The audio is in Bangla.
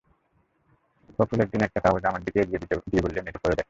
ফখরুল একদিন একটা কাগজ আমার দিকে এগিয়ে দিয়ে বললেন, এটা পড়ে দেখেন।